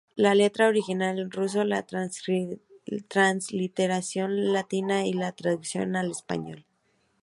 La letra original en ruso, la transliteración latina, y la traducción al español.